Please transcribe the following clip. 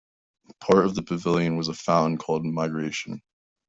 Part of the pavilion was a fountain called Migration.